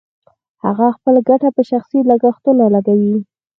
هغه خپله ګټه په شخصي لګښتونو لګوي